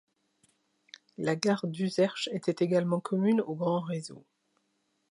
La gare d'Uzerche, était également commune au grand réseau.